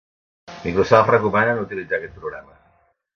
Microsoft recomana no utilitzar aquest programa.